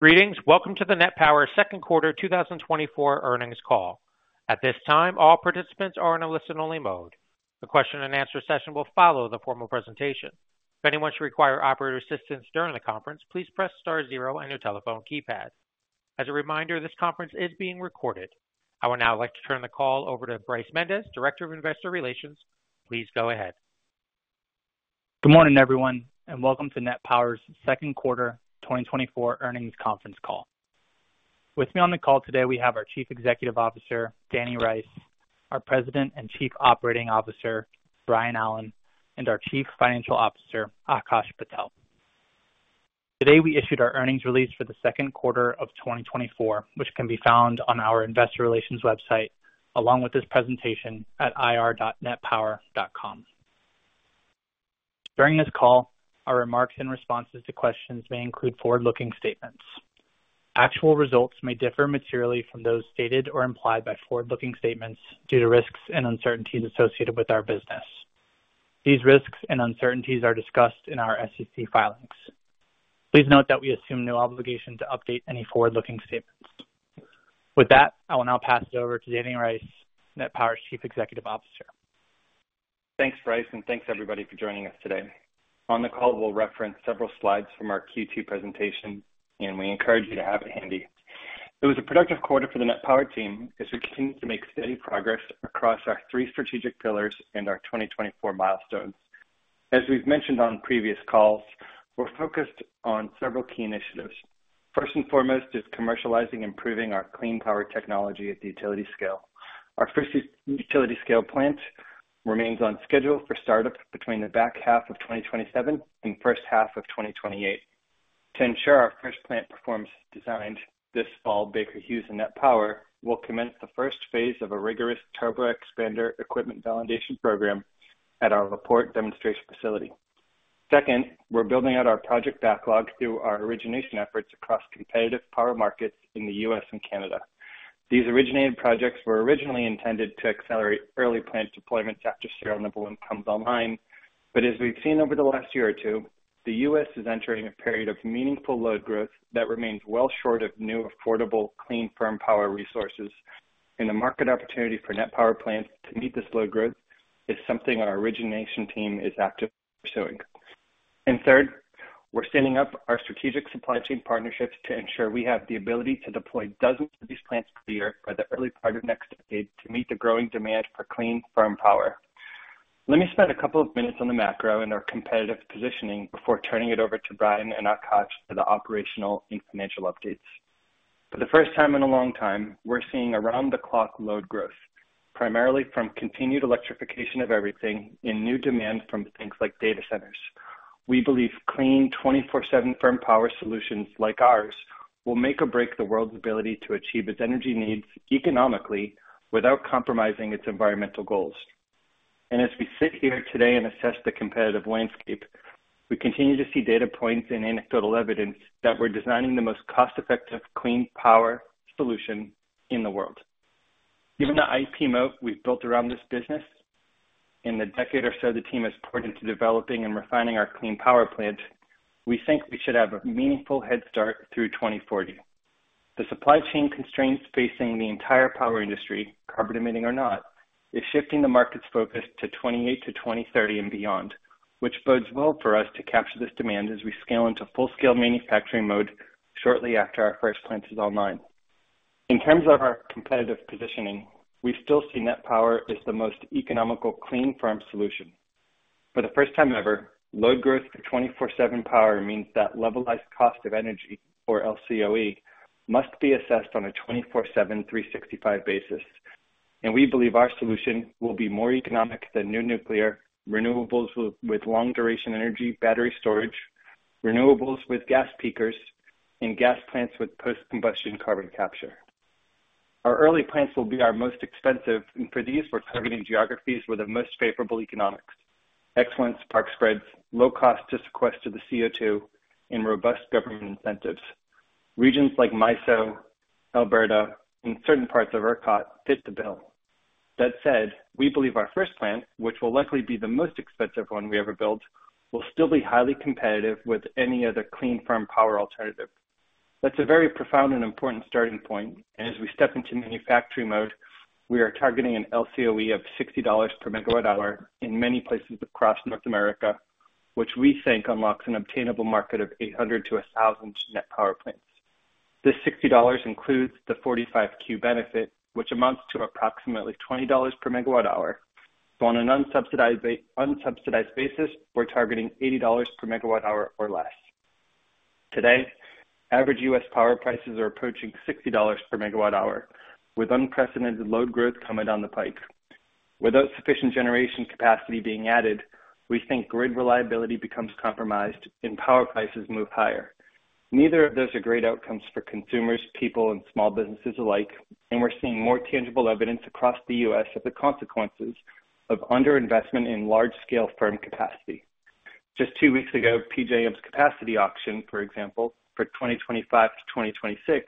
Greetings. Welcome to the NET Power second quarter 2024 earnings call. At this time, all participants are in a listen-only mode. The question-and-answer session will follow the formal presentation. If anyone should require operator assistance during the conference, please press star zero on your telephone keypad. As a reminder, this conference is being recorded. I would now like to turn the call over to Bryce Mendes, Director of Investor Relations. Please go ahead. Good morning, everyone, and welcome to NET Power's second quarter 2024 earnings conference call. With me on the call today, we have our Chief Executive Officer, Danny Rice, our President and Chief Operating Officer, Brian Allen, and our Chief Financial Officer, Akash Patel. Today, we issued our earnings release for the second quarter of 2024, which can be found on our investor relations website, along with this presentation at ir.netpower.com. During this call, our remarks and responses to questions may include forward-looking statements. Actual results may differ materially from those stated or implied by forward-looking statements due to risks and uncertainties associated with our business. These risks and uncertainties are discussed in our SEC filings. Please note that we assume no obligation to update any forward-looking statements. With that, I will now pass it over to Danny Rice, NET Power's Chief Executive Officer. Thanks, Bryce, and thanks everybody for joining us today. On the call, we'll reference several slides from our Q2 presentation, and we encourage you to have it handy. It was a productive quarter for the NET Power team as we continue to make steady progress across our three strategic pillars and our 2024 milestones. As we've mentioned on previous calls, we're focused on several key initiatives. First and foremost is commercializing, improving our clean power technology at the utility scale. Our first utility scale plant remains on schedule for startup between the back half of 2027 and first half of 2028. To ensure our first plant performs as designed, this fall, Baker Hughes and NET Power will commence the first phase of a rigorous turboexpander equipment validation program at our La Porte demonstration facility. Second, we're building out our project backlog through our origination efforts across competitive power markets in the U.S. and Canada. These originated projects were originally intended to accelerate early plant deployments after serial number one comes online. But as we've seen over the last year or two, the U.S. is entering a period of meaningful load growth that remains well short of new, affordable, clean, firm power resources, and the market opportunity for NET Power plants to meet this load growth is something our origination team is actively pursuing. And third, we're standing up our strategic supply chain partnerships to ensure we have the ability to deploy dozens of these plants per year by the early part of next decade to meet the growing demand for clean, firm power. Let me spend a couple of minutes on the macro and our competitive positioning before turning it over to Brian and Akash for the operational and financial updates. For the first time in a long time, we're seeing around-the-clock load growth, primarily from continued electrification of everything and new demand from things like data centers. We believe clean, 24/7 firm power solutions like ours will make or break the world's ability to achieve its energy needs economically without compromising its environmental goals. As we sit here today and assess the competitive landscape, we continue to see data points and anecdotal evidence that we're designing the most cost-effective, clean power solution in the world. Given the IP moat we've built around this business, in the decade or so, the team has poured into developing and refining our clean power plant, we think we should have a meaningful head start through 2040. The supply chain constraints facing the entire power industry, carbon emitting or not, is shifting the market's focus to 2028-2030 and beyond, which bodes well for us to capture this demand as we scale into full-scale manufacturing mode shortly after our first plant is online. In terms of our competitive positioning, we still see NET Power as the most economical, clean, firm solution. For the first time ever, load growth for 24/7 power means that Levelized Cost of Energy, or LCOE, must be assessed on a 24/7, 365 basis, and we believe our solution will be more economic than new nuclear renewables with long-duration energy, battery storage, renewables with gas peakers, and gas plants with post-combustion carbon capture. Our early plants will be our most expensive, and for these, we're targeting geographies with the most favorable economics, excellent spark spreads, low cost to sequester the CO2, and robust government incentives. Regions like MISO, Alberta, and certain parts of ERCOT fit the bill. That said, we believe our first plant, which will likely be the most expensive one we ever built, will still be highly competitive with any other clean, firm power alternative. That's a very profound and important starting point, and as we step into manufacturing mode, we are targeting an LCOE of $60 per MWh in many places across North America, which we think unlocks an obtainable market of 800-1,000 NET Power plants. This $60 includes the 45Q benefit, which amounts to approximately $20 per MWh. So on an unsubsidized basis, we're targeting $80 per MWh or less. Today, average U.S. power prices are approaching $60 per MWh, with unprecedented load growth coming down the pike. Without sufficient generation capacity being added, we think grid reliability becomes compromised, and power prices move higher. Neither of those are great outcomes for consumers, people, and small businesses alike, and we're seeing more tangible evidence across the U.S. of the consequences of underinvestment in large-scale firm capacity. Just two weeks ago, PJM's capacity auction, for example, for 2025-2026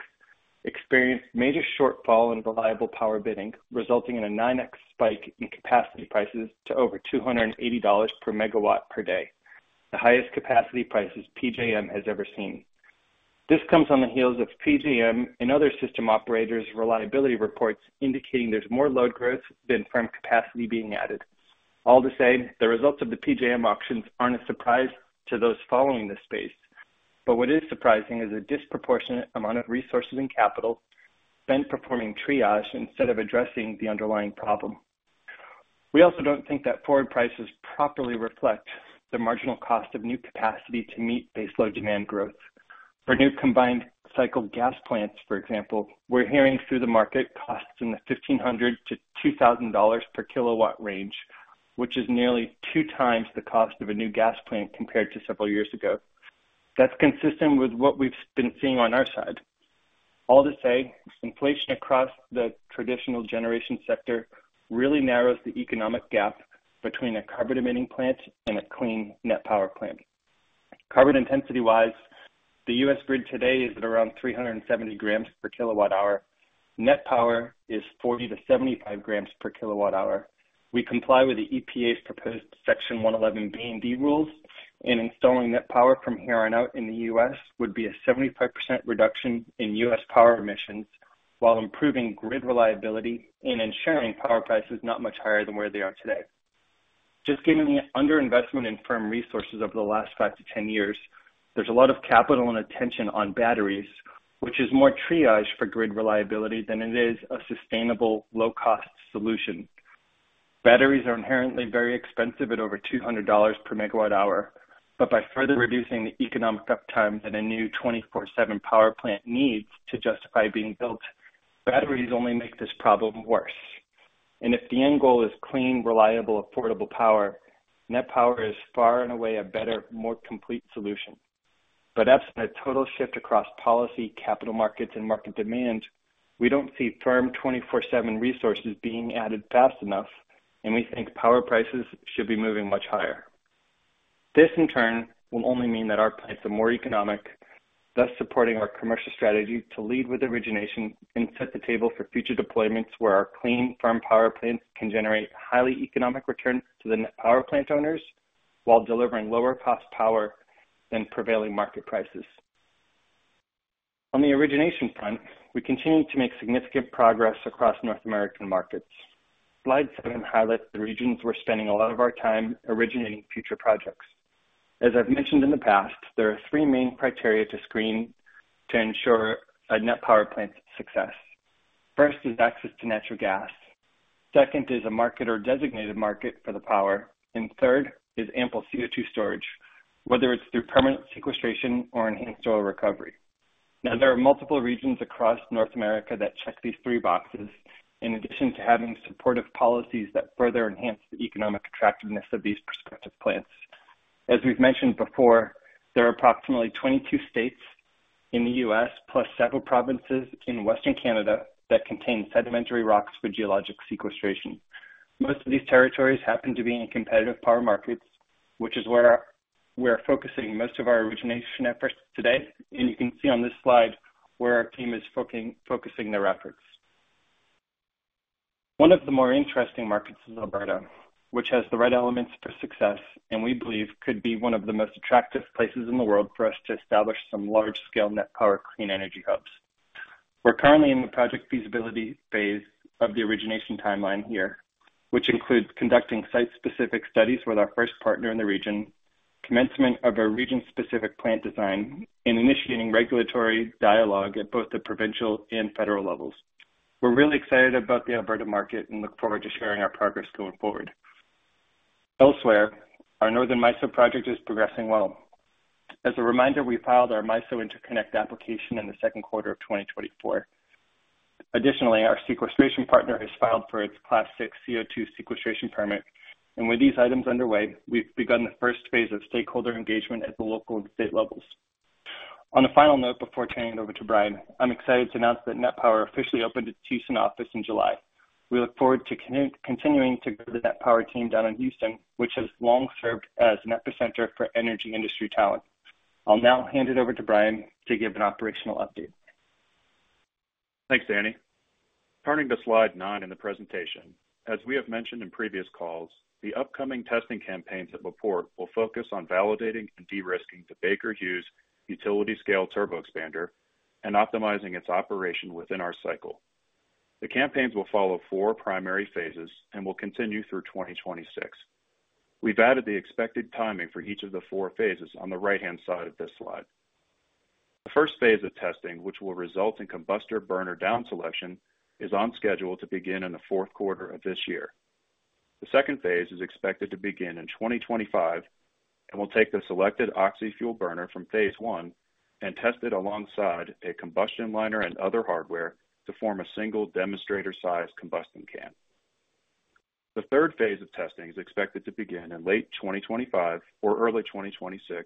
experienced major shortfall in reliable power bidding, resulting in a 9x spike in capacity prices to over $280 per MW per day, the highest capacity prices PJM has ever seen. This comes on the heels of PJM and other system operators' reliability reports indicating there's more load growth than firm capacity being added. All to say, the results of the PJM auctions aren't a surprise to those following this space. But what is surprising is the disproportionate amount of resources and capital spent performing triage instead of addressing the underlying problem. We also don't think that forward prices properly reflect the marginal cost of new capacity to meet baseload demand growth. For new combined cycle gas plants, for example, we're hearing through the market costs in the $1,500-$2,000 per kW range, which is nearly 2x the cost of a new gas plant compared to several years ago. That's consistent with what we've been seeing on our side. All to say, inflation across the traditional generation sector really narrows the economic gap between a carbon-emitting plant and a clean NET Power plant. Carbon intensity-wise, the U.S. grid today is at around 370 g/kWh. NET Power is 40 g/kWh-75 g/kWh. We comply with the EPA's proposed Section 111(b) and (d) rules and installing NET Power from here on out in the U.S. would be a 75% reduction in U.S. power emissions, while improving grid reliability and ensuring power prices not much higher than where they are today. Just given the underinvestment in firm resources over the last 5-10 years, there's a lot of capital and attention on batteries, which is more triage for grid reliability than it is a sustainable, low-cost solution. Batteries are inherently very expensive at over $200 per MWh, but by further reducing the economic uptime that a new 24/7 power plant needs to justify being built, batteries only make this problem worse. And if the end goal is clean, reliable, affordable power, NET Power is far and away a better, more complete solution. But absent a total shift across policy, capital markets, and market demand, we don't see firm 24/7 resources being added fast enough, and we think power prices should be moving much higher. This, in turn, will only mean that our plants are more economic, thus supporting our commercial strategy to lead with origination and set the table for future deployments, where our clean firm power plants can generate highly economic returns to the NET Power plant owners while delivering lower cost power than prevailing market prices. On the origination front, we continue to make significant progress across North American markets. Slide seven highlights the regions we're spending a lot of our time originating future projects. As I've mentioned in the past, there are three main criteria to screen to ensure a NET Power plant's success. First is access to natural gas, second is a market or designated market for the power, and third is ample CO2 storage, whether it's through permanent sequestration or enhanced oil recovery. Now, there are multiple regions across North America that check these three boxes, in addition to having supportive policies that further enhance the economic attractiveness of these prospective plants. As we've mentioned before, there are approximately 22 states in the U.S., plus several provinces in western Canada, that contain sedimentary rocks for geologic sequestration. Most of these territories happen to be in competitive power markets, which is where we're focusing most of our origination efforts today. And you can see on this slide where our team is focusing their efforts. One of the more interesting markets is Alberta, which has the right elements for success and we believe could be one of the most attractive places in the world for us to establish some large-scale NET Power, clean energy hubs. We're currently in the project feasibility phase of the origination timeline here, which includes conducting site-specific studies with our first partner in the region, commencement of a region-specific plant design, and initiating regulatory dialogue at both the provincial and federal levels. We're really excited about the Alberta market and look forward to sharing our progress going forward. Elsewhere, our Northern MISO project is progressing well. As a reminder, we filed our MISO interconnect application in the second quarter of 2024. Additionally, our sequestration partner has filed for its Class VI CO2 sequestration permit, and with these items underway, we've begun the first phase of stakeholder engagement at the local and state levels. On a final note, before turning it over to Brian, I'm excited to announce that NET Power officially opened its Houston office in July. We look forward to continuing to grow the NET Power team down in Houston, which has long served as an epicenter for energy industry talent. I'll now hand it over to Brian to give an operational update. Thanks, Danny. Turning to slide nine in the presentation. As we have mentioned in previous calls, the upcoming testing campaigns at La Porte will focus on validating and de-risking the Baker Hughes utility-scale turboexpander and optimizing its operation within our cycle. The campaigns will follow four primary phases and will continue through 2026. We've added the expected timing for each of the four phases on the right-hand side of this slide. The first phase of testing, which will result in combustor burner down selection, is on schedule to begin in the fourth quarter of this year. The second phase is expected to begin in 2025 and will take the selected oxy-fuel burner from phase one and test it alongside a combustion liner and other hardware to form a single demonstrator size combustion can. The third phase of testing is expected to begin in late 2025 or early 2026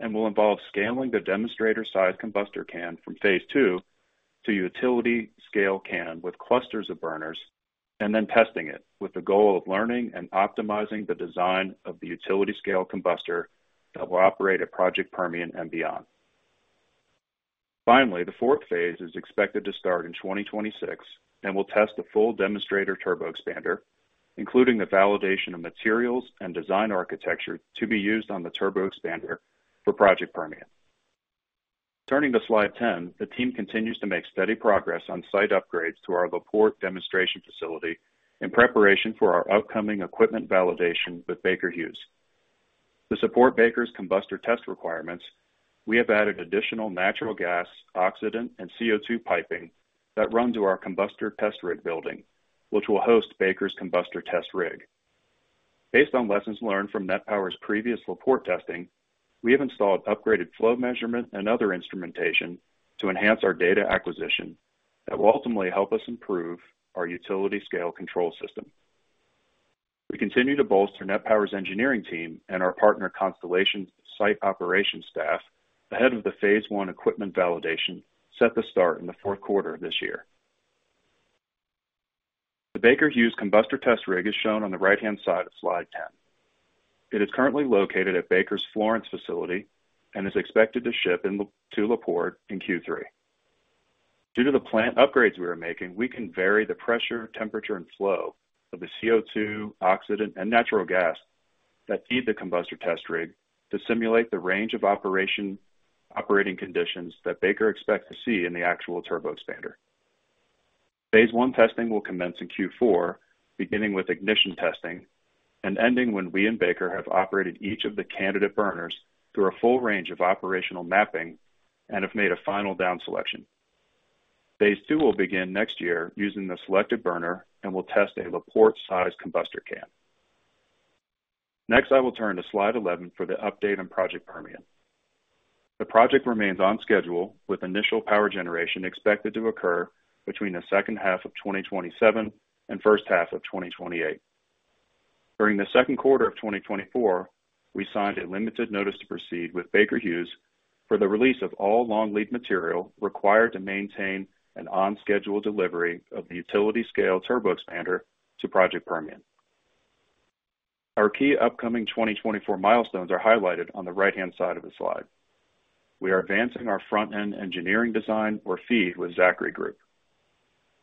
and will involve scaling the demonstrator-sized combustor can from phase 2 to utility scale can with clusters of burners... and then testing it with the goal of learning and optimizing the design of the utility scale combustor that will operate at Project Permian and beyond. Finally, the fourth phase is expected to start in 2026 and will test the full demonstrator turboexpander, including the validation of materials and design architecture to be used on the turboexpander for Project Permian. Turning to slide 10, the team continues to make steady progress on site upgrades to our La Porte demonstration facility in preparation for our upcoming equipment validation with Baker Hughes. To support Baker's combustor test requirements, we have added additional natural gas, oxidant, and CO2 piping that run to our combustor test rig building, which will host Baker's combustor test rig. Based on lessons learned from NET Power's previous La Porte testing, we have installed upgraded flow measurement and other instrumentation to enhance our data acquisition that will ultimately help us improve our utility scale control system. We continue to bolster NET Power's engineering team and our partner, Constellation's site operations staff, ahead of the phase one equipment validation, set to start in the fourth quarter of this year. The Baker Hughes combustor test rig is shown on the right-hand side of slide 10. It is currently located at Baker's Florence facility and is expected to ship into La Porte in Q3. Due to the plant upgrades we are making, we can vary the pressure, temperature, and flow of the CO2, oxidant, and natural gas that feed the combustor test rig to simulate the range of operating conditions that Baker expects to see in the actual turboexpander. Phase 1 testing will commence in Q4, beginning with ignition testing and ending when we and Baker have operated each of the candidate burners through a full range of operational mapping and have made a final down selection. Phase 2 will begin next year using the selected burner and will test a La Porte size combustor can. Next, I will turn to slide 11 for the update on Project Permian. The project remains on schedule, with initial power generation expected to occur between the second half of 2027 and first half of 2028. During the second quarter of 2024, we signed a limited notice to proceed with Baker Hughes for the release of all long lead material required to maintain an on-schedule delivery of the utility scale turboexpander to Project Permian. Our key upcoming 2024 milestones are highlighted on the right-hand side of the slide. We are advancing our front-end engineering design, or FEED, with Zachry Group.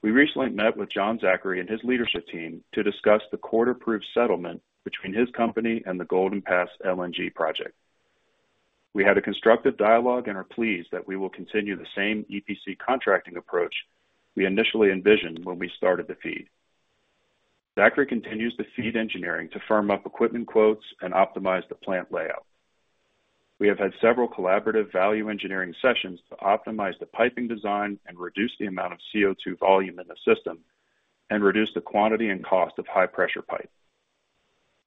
We recently met with John Zachry and his leadership team to discuss the court-approved settlement between his company and the Golden Pass LNG project. We had a constructive dialogue and are pleased that we will continue the same EPC contracting approach we initially envisioned when we started the FEED. Zachry continues the FEED engineering to firm up equipment quotes and optimize the plant layout. We have had several collaborative value engineering sessions to optimize the piping design and reduce the amount of CO2 volume in the system and reduce the quantity and cost of high-pressure pipe.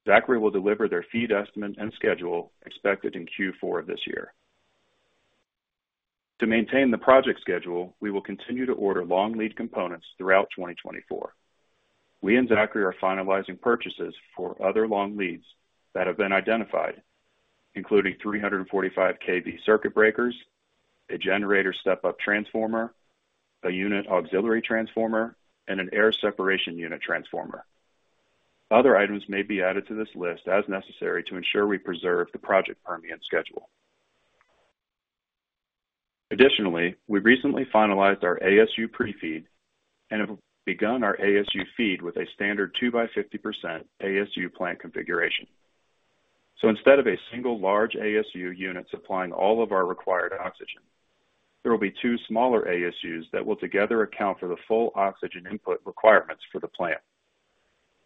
Zachry will deliver their FEED estimate and schedule expected in Q4 of this year. To maintain the project schedule, we will continue to order long lead components throughout 2024. We and Zachry are finalizing purchases for other long leads that have been identified, including 345 kV circuit breakers, a generator step-up transformer, a unit auxiliary transformer, and an air separation unit transformer. Other items may be added to this list as necessary to ensure we preserve the Project Permian schedule. Additionally, we recently finalized our ASU pre-FEED and have begun our ASU FEED with a standard 2 by 50% ASU plant configuration. So instead of a single large ASU unit supplying all of our required oxygen, there will be two smaller ASUs that will together account for the full oxygen input requirements for the plant.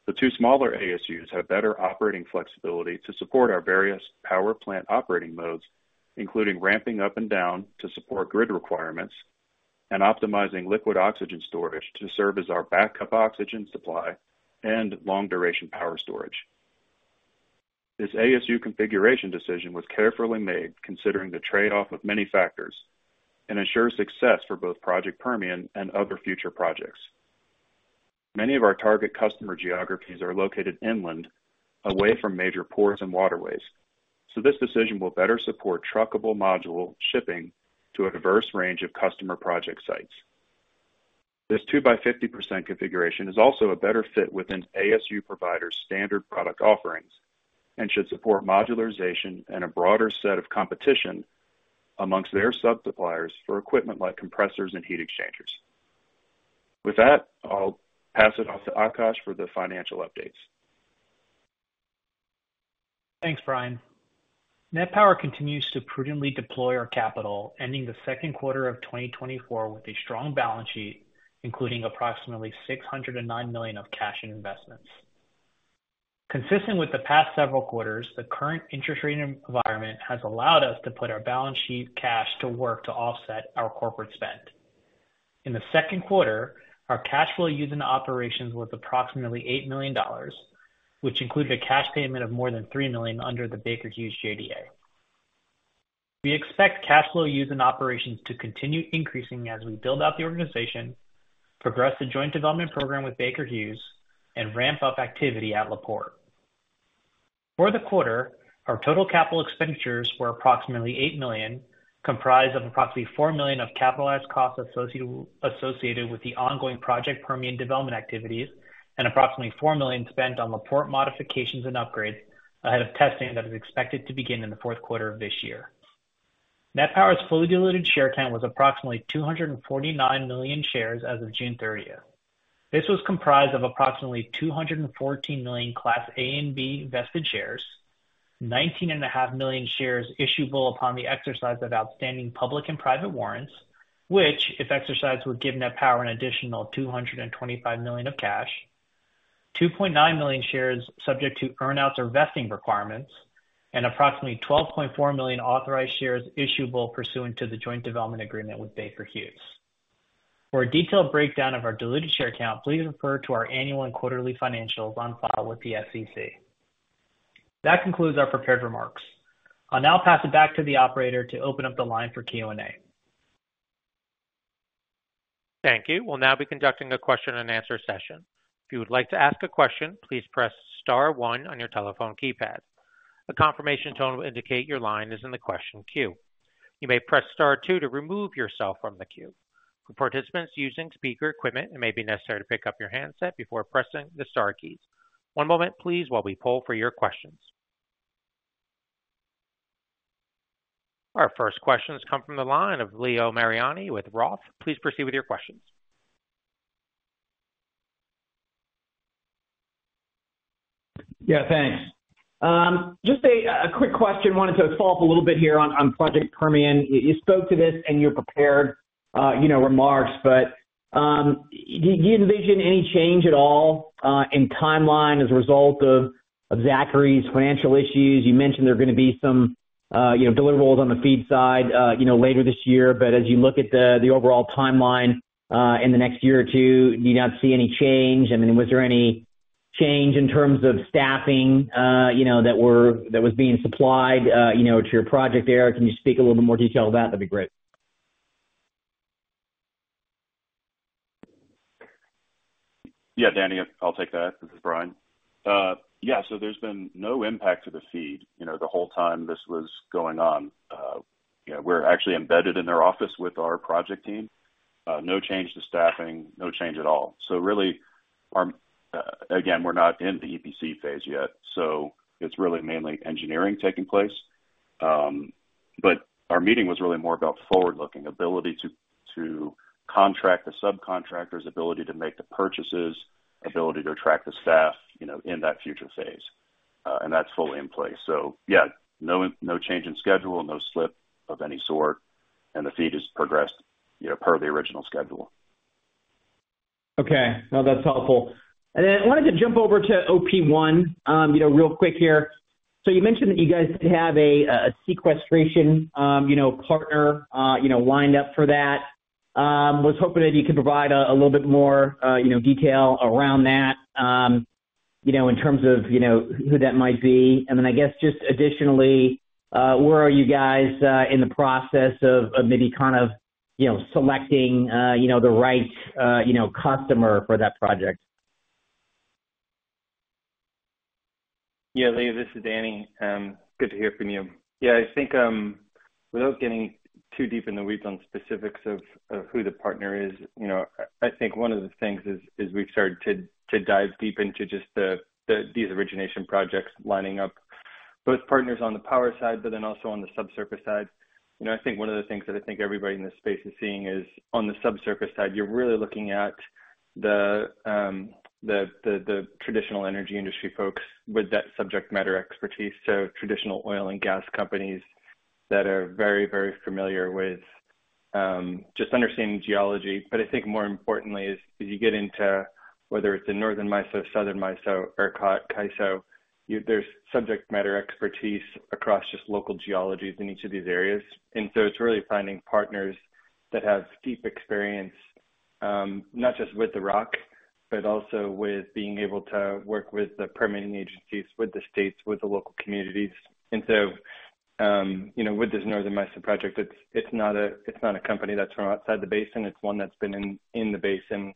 The two smaller ASUs have better operating flexibility to support our various power plant operating modes, including ramping up and down to support grid requirements and optimizing liquid oxygen storage to serve as our backup oxygen supply and long-duration power storage. This ASU configuration decision was carefully made, considering the trade-off of many factors and ensures success for both Project Permian and other future projects. Many of our target customer geographies are located inland, away from major ports and waterways, so this decision will better support truckable module shipping to a diverse range of customer project sites. This 2 by 50% configuration is also a better fit within ASU provider's standard product offerings and should support modularization and a broader set of competition among their sub-suppliers for equipment like compressors and heat exchangers. With that, I'll pass it off to Akash for the financial updates. Thanks, Brian. NET Power continues to prudently deploy our capital, ending the second quarter of 2024 with a strong balance sheet, including approximately $609 million of cash and investments. Consistent with the past several quarters, the current interest rate environment has allowed us to put our balance sheet cash to work to offset our corporate spend. In the second quarter, our cash flow used in operations was approximately $8 million, which included a cash payment of more than $3 million under the Baker Hughes JDA. We expect cash flow used in operations to continue increasing as we build out the organization, progress the joint development program with Baker Hughes, and ramp up activity at La Porte. For the quarter, our total capital expenditures were approximately $8 million, comprised of approximately $4 million of capitalized costs associated with the ongoing Project Permian development activities, and approximately $4 million spent on La Porte modifications and upgrades ahead of testing that is expected to begin in the fourth quarter of this year. NET Power's fully diluted share count was approximately 249 million shares as of June 30th. This was comprised of approximately 214 million Class A and B vested shares, 19.5 million shares issuable upon the exercise of outstanding public and private warrants, which, if exercised, would give NET Power an additional $225 million of cash, 2.9 million shares subject to earn-outs or vesting requirements, and approximately 12.4 million authorized shares issuable pursuant to the joint development agreement with Baker Hughes. For a detailed breakdown of our diluted share count, please refer to our annual and quarterly financials on file with the SEC. That concludes our prepared remarks. I'll now pass it back to the operator to open up the line for Q&A. Thank you. We'll now be conducting a question and answer session. If you would like to ask a question, please press star one on your telephone keypad. A confirmation tone will indicate your line is in the question queue. You may press star two to remove yourself from the queue. For participants using speaker equipment, it may be necessary to pick up your handset before pressing the star keys. One moment please, while we poll for your questions. Our first questions come from the line of Leo Mariani with ROTH. Please proceed with your questions. Yeah, thanks. Just a quick question. Wanted to follow up a little bit here on Project Permian. You spoke to this in your prepared, you know, remarks, but do you envision any change at all in timeline as a result of Zachry's financial issues? You mentioned there are gonna be some, you know, deliverables on the FEED side, you know, later this year. But as you look at the overall timeline in the next year or two, do you not see any change? I mean, was there any change in terms of staffing, you know, that was being supplied, you know, to your project there? Can you speak a little bit more detail on that? That'd be great. Yeah, Danny, I'll take that. This is Brian. Yeah, so there's been no impact to the FEED, you know, the whole time this was going on. You know, we're actually embedded in their office with our project team. No change to staffing, no change at all. So really, our... Again, we're not in the EPC phase yet, so it's really mainly engineering taking place. But our meeting was really more about forward-looking, ability to contract the subcontractors, ability to make the purchases, ability to attract the staff, you know, in that future phase, and that's fully in place. So yeah, no, no change in schedule, no slip of any sort, and the FEED has progressed, you know, per the original schedule. Okay. No, that's helpful. And then I wanted to jump over to OP1, you know, real quick here. So you mentioned that you guys have a sequestration, you know, partner, you know, lined up for that. Was hoping that you could provide a little bit more, you know, detail around that, you know, in terms of, you know, who that might be. And then I guess just additionally, where are you guys in the process of maybe kind of, you know, selecting the right, you know, customer for that project? Yeah, Leo, this is Danny. Good to hear from you. Yeah, I think, without getting too deep in the weeds on specifics of, of who the partner is, you know, I, I think one of the things is, is we've started to, to dive deep into just the, the, these origination projects, lining up both partners on the power side, but then also on the subsurface side. You know, I think one of the things that I think everybody in this space is seeing is on the subsurface side, you're really looking at the, the, the, the traditional energy industry folks with that subject matter expertise, so traditional oil and gas companies that are very, very familiar with, just understanding geology. But I think more importantly is, as you get into whether it's in Northern MISO, Southern MISO or CAISO, you-- there's subject matter expertise across just local geologies in each of these areas. And so it's really finding partners that have deep experience, not just with the rock, but also with being able to work with the permitting agencies, with the states, with the local communities. And so, you know, with this Northern MISO project, it's, it's not a, it's not a company that's from outside the basin. It's one that's been in, in the basin,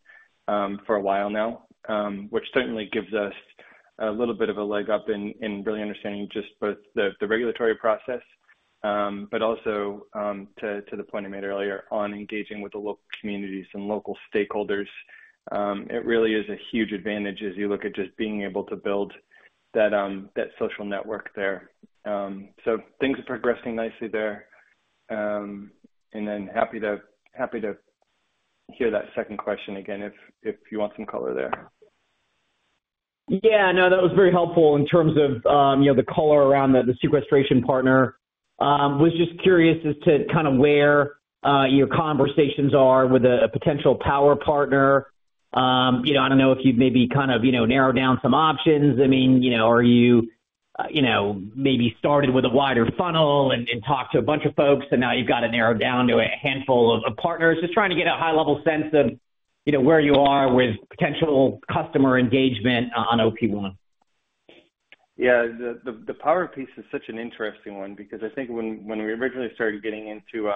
for a while now, which certainly gives us a little bit of a leg up in, in really understanding just both the, the regulatory process, but also, to, to the point I made earlier on engaging with the local communities and local stakeholders. It really is a huge advantage as you look at just being able to build that, that social network there. So things are progressing nicely there. And then happy to, happy to hear that second question again, if, if you want some color there. Yeah, no, that was very helpful in terms of, you know, the color around the sequestration partner. Was just curious as to kind of where your conversations are with a potential power partner. You know, I don't know if you've maybe kind of, you know, narrowed down some options. I mean, you know, are you, you know, maybe started with a wider funnel and talked to a bunch of folks, and now you've got to narrow down to a handful of partners? Just trying to get a high-level sense of, you know, where you are with potential customer engagement on OP1. Yeah. The power piece is such an interesting one because I think when we originally started getting into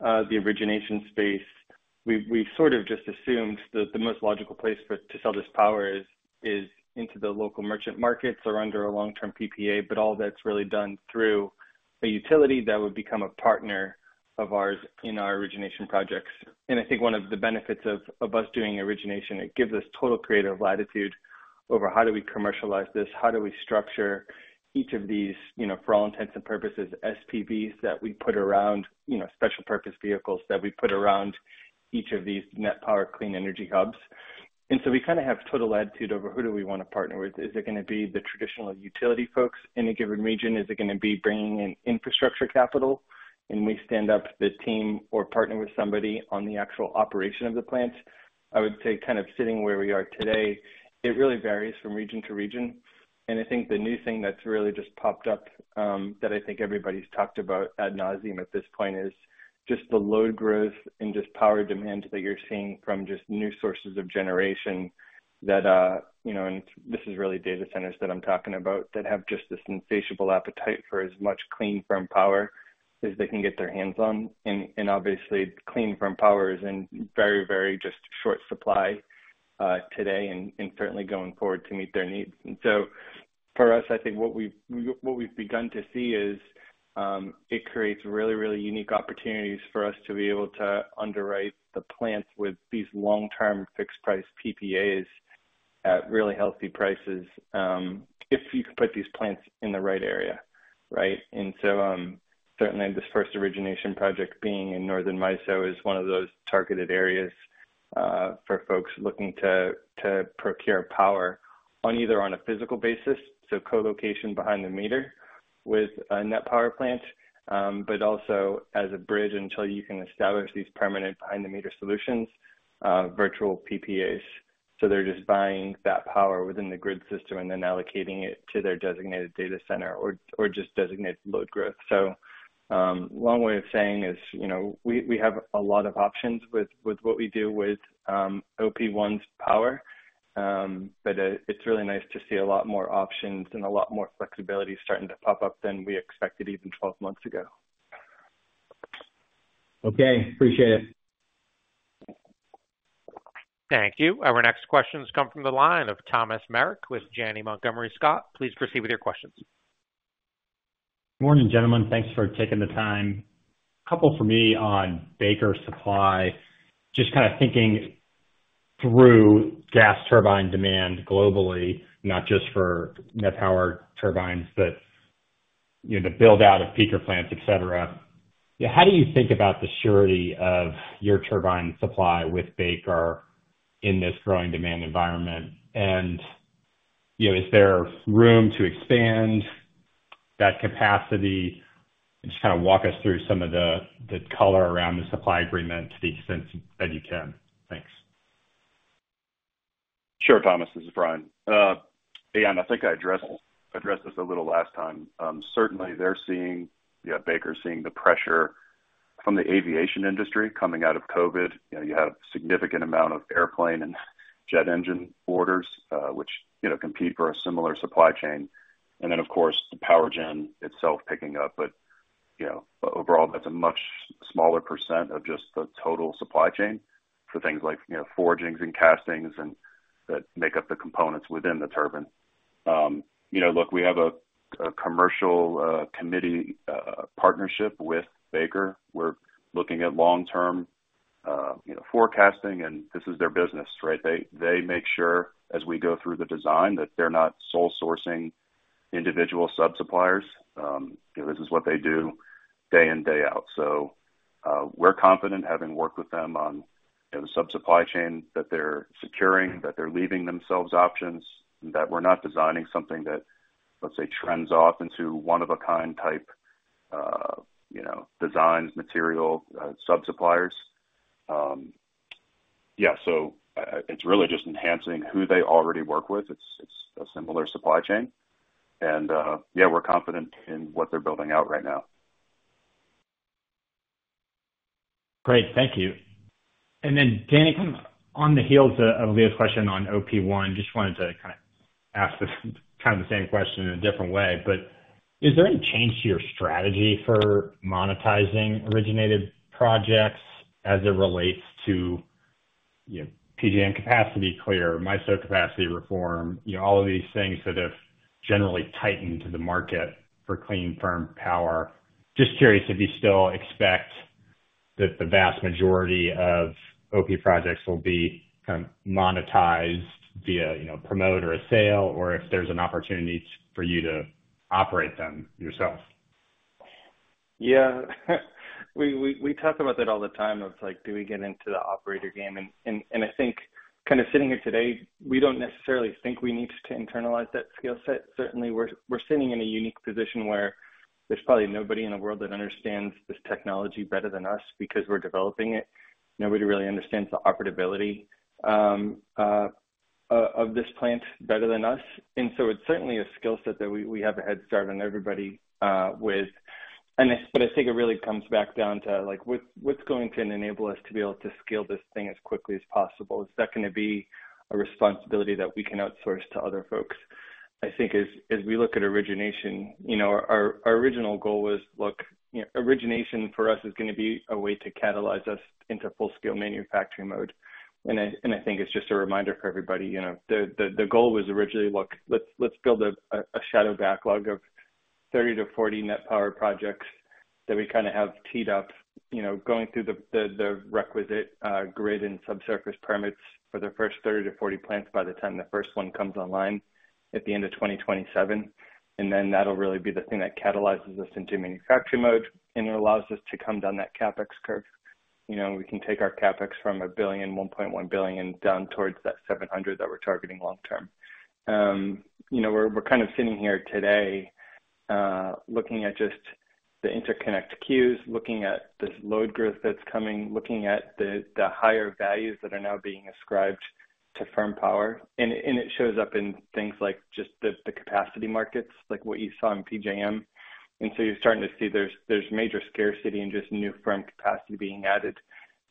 the origination space, we've sort of just assumed that the most logical place to sell this power is into the local merchant markets or under a long-term PPA, but all that's really done through a utility that would become a partner of ours in our origination projects. And I think one of the benefits of us doing origination, it gives us total creative latitude over how do we commercialize this? How do we structure each of these, you know, for all intents and purposes, SPVs that we put around, you know, special purpose vehicles that we put around each of these NET Power clean energy hubs. And so we kind of have total latitude over who do we want to partner with. Is it gonna be the traditional utility folks in a given region? Is it gonna be bringing in infrastructure capital, and we stand up the team or partner with somebody on the actual operation of the plant? I would say, kind of sitting where we are today, it really varies from region to region. And I think the new thing that's really just popped up, that I think everybody's talked about ad nauseam at this point is just the load growth and just power demand that you're seeing from just new sources of generation that, you know, and this is really data centers that I'm talking about, that have just this insatiable appetite for as much clean, firm power as they can get their hands on. Obviously, clean, firm power is in very, very just short supply today and certainly going forward to meet their needs. So for us, I think what we've begun to see is it creates really, really unique opportunities for us to be able to underwrite the plants with these long-term fixed price PPAs at really healthy prices if you can put these plants in the right area, right? So certainly this first origination project being in Northern MISO is one of those targeted areas for folks looking to procure power on either a physical basis, so co-location behind the meter with a NET Power plant, but also as a bridge until you can establish these permanent behind the meter solutions, virtual PPAs. So they're just buying that power within the grid system and then allocating it to their designated data center or just designated load growth. So, long way of saying is, you know, we have a lot of options with what we do with OP1's power, but it's really nice to see a lot more options and a lot more flexibility starting to pop up than we expected even 12 months ago. Okay, appreciate it. Thank you. Our next questions come from the line of Thomas Meric with Janney Montgomery Scott. Please proceed with your questions. Morning, gentlemen. Thanks for taking the time. A couple for me on Baker supply. Just kind of thinking through gas turbine demand globally, not just for NET Power turbines, but, you know, the build-out of peaker plants, et cetera. How do you think about the surety of your turbine supply with Baker Hughes in this growing demand environment? And, you know, is there room to expand that capacity? And just kind of walk us through some of the, the color around the supply agreement to the extent that you can. Thanks. Sure, Thomas, this is Brian. And I think I addressed this a little last time. Certainly they're seeing... Yeah, Baker is seeing the pressure from the aviation industry coming out of COVID. You know, you have a significant amount of airplane and jet engine orders, which, you know, compete for a similar supply chain, and then, of course, the power gen itself picking up. But, you know, overall, that's a much smaller percent of just the total supply chain for things like, you know, forgings and castings and that make up the components within the turbine. You know, look, we have a commercial committee partnership with Baker. We're looking at long-term, you know, forecasting, and this is their business, right? They make sure as we go through the design, that they're not sole sourcing individual sub-suppliers. You know, this is what they do day in, day out. So, we're confident, having worked with them on the sub-supply chain, that they're securing, that they're leaving themselves options, and that we're not designing something that, let's say, trends off into one-of-a-kind type, you know, designs, material, sub-suppliers. Yeah, so it's really just enhancing who they already work with. It's, it's a similar supply chain. And, yeah, we're confident in what they're building out right now. Great. Thank you. And then, Danny, kind of on the heels of Leo's question on OP1, just wanted to kind of ask the, kind of the same question in a different way. But is there any change to your strategy for monetizing originated projects as it relates to, you know, PJM capacity, MISO capacity reform, you know, all of these things that have generally tightened the market for clean, firm power? Just curious if you still expect that the vast majority of OP projects will be kind of monetized via, you know, promote or a sale, or if there's an opportunity for you to operate them yourself. Yeah, we talk about that all the time. It's like, do we get into the operator game? And I think kind of sitting here today, we don't necessarily think we need to internalize that skill set. Certainly, we're sitting in a unique position where there's probably nobody in the world that understands this technology better than us because we're developing it. Nobody really understands the operability of this plant better than us. And so it's certainly a skill set that we have a head start on everybody with. But I think it really comes back down to, like, what's going to enable us to be able to scale this thing as quickly as possible? Is that gonna be a responsibility that we can outsource to other folks? I think as we look at origination, you know, our original goal was, look, you know, origination for us is gonna be a way to catalyze us into full-scale manufacturing mode. And I think it's just a reminder for everybody, you know, the goal was originally, look, let's build a shadow backlog of 30-40 NET Power projects that we kinda have teed up, you know, going through the requisite grid and subsurface permits for the first 30-40 plants by the time the first one comes online at the end of 2027. And then that'll really be the thing that catalyzes us into manufacturing mode and allows us to come down that CapEx curve. You know, we can take our CapEx from $1 billion, $1.1 billion down towards that $700 million that we're targeting long-term. You know, we're kind of sitting here today, looking at just the interconnect queues, looking at this load growth that's coming, looking at the higher values that are now being ascribed to firm power. And it shows up in things like just the capacity markets, like what you saw in PJM. And so you're starting to see there's major scarcity and just new firm capacity being added.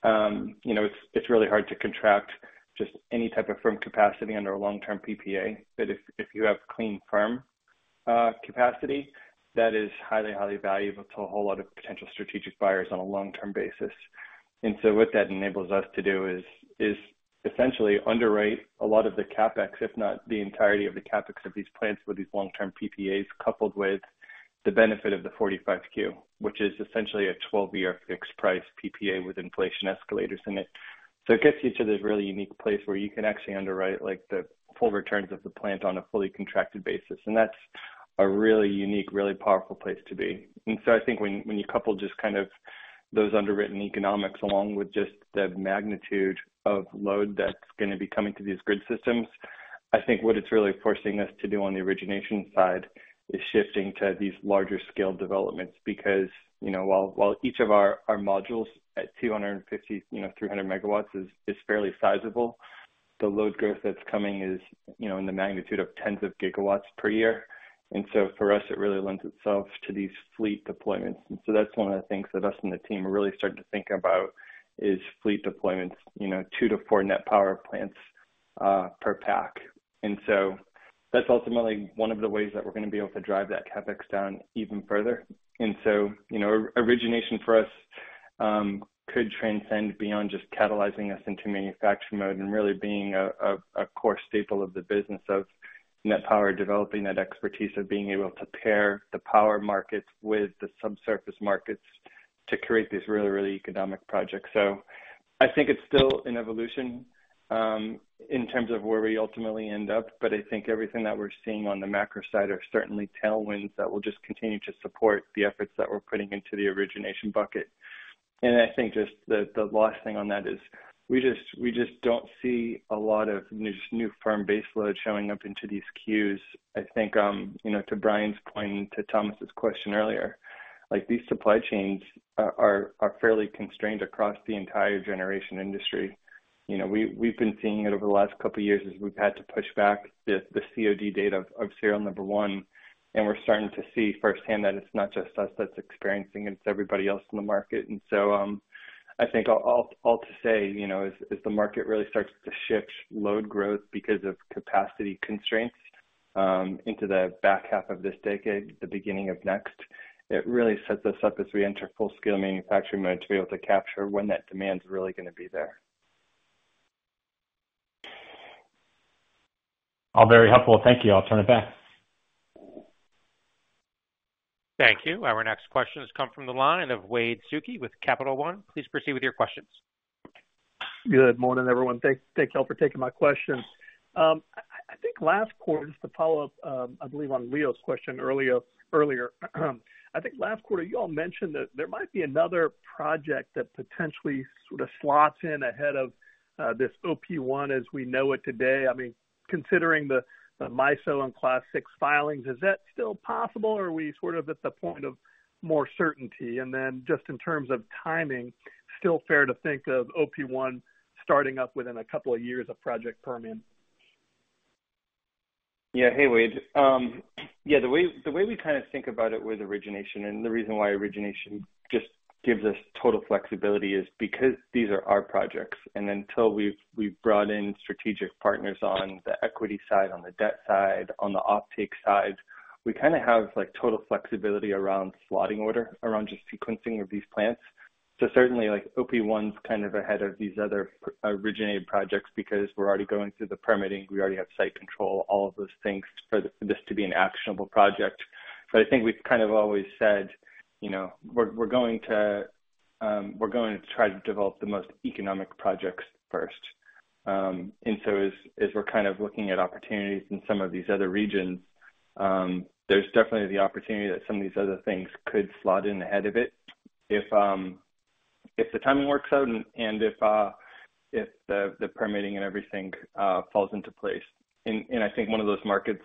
You know, it's really hard to contract just any type of firm capacity under a long-term PPA. But if you have clean firm capacity, that is highly valuable to a whole lot of potential strategic buyers on a long-term basis. And so what that enables us to do is essentially underwrite a lot of the CapEx, if not the entirety of the CapEx, of these plants with these long-term PPAs, coupled with the benefit of the 45Q, which is essentially a 12-year fixed price PPA with inflation escalators in it. So it gets you to this really unique place where you can actually underwrite, like, the full returns of the plant on a fully contracted basis, and that's a really unique, really powerful place to be. And so I think when you couple just kind of those underwritten economics, along with just the magnitude of load that's gonna be coming to these grid systems, I think what it's really forcing us to do on the origination side is shifting to these larger scale developments. Because, you know, while each of our modules at 250 MW, you know, 300 MW is fairly sizable, the load growth that's coming is, you know, in the magnitude of tens of gigawatts per year. And so for us, it really lends itself to these fleet deployments. And so that's one of the things that us and the team are really starting to think about, is fleet deployments, you know, 2-4 NET Power plants per pack. And so that's ultimately one of the ways that we're gonna be able to drive that CapEx down even further. And so, you know, origination for us could transcend beyond just catalyzing us into manufacturing mode and really being a core staple of the business of NET Power, developing that expertise of being able to pair the power markets with the subsurface markets to create these really economic projects. So I think it's still an evolution in terms of where we ultimately end up, but I think everything that we're seeing on the macro side are certainly tailwinds that will just continue to support the efforts that we're putting into the origination bucket. And I think just the last thing on that is we just don't see a lot of new firm baseload showing up into these queues. I think, you know, to Brian's point and to Thomas's question earlier, like, these supply chains are fairly constrained across the entire generation industry. You know, we, we've been seeing it over the last couple of years as we've had to push back the COD date of serial number one, and we're starting to see firsthand that it's not just us that's experiencing, it's everybody else in the market. And so, I think all to say, you know, as the market really starts to shift load growth because of capacity constraints, into the back half of this decade, the beginning of next, it really sets us up as we enter full-scale manufacturing mode to be able to capture when that demand's really gonna be there. All very helpful. Thank you. I'll turn it back. Thank you. Our next question has come from the line of Wade Suki with Capital One. Please proceed with your questions. Good morning, everyone. Thank you all for taking my questions. I think last quarter, just to follow up, I believe on Leo's question earlier, I think last quarter you all mentioned that there might be another project that potentially sort of slots in ahead of this OP1 as we know it today. I mean, considering the MISO and Class VI filings, is that still possible or are we sort of at the point of more certainty? And then just in terms of timing, still fair to think of OP1 starting up within a couple of years of Project Permian? Yeah. Hey, Wade. Yeah, the way we kinda think about it with origination and the reason why origination just gives us total flexibility is because these are our projects. And until we've brought in strategic partners on the equity side, on the debt side, on the offtake side, we kinda have, like, total flexibility around slotting order, around just sequencing of these plants. So certainly, like, OP1's kind of ahead of these other originated projects because we're already going through the permitting, we already have site control, all of those things for this to be an actionable project. But I think we've kind of always said, you know, we're going to try to develop the most economic projects first. And so as we're kind of looking at opportunities in some of these other regions, there's definitely the opportunity that some of these other things could slot in ahead of it if the timing works out and if the permitting and everything falls into place. And I think one of those markets